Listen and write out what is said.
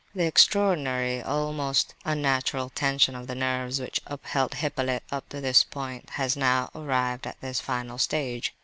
The extraordinary, almost unnatural, tension of the nerves which upheld Hippolyte up to this point, had now arrived at this final stage.